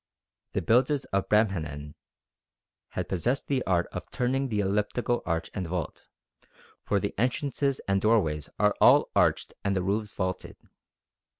The builders of Bramhanan had possessed the art of turning the elliptical arch and vault, for the entrances and doorways are all arched and the roofs vaulted.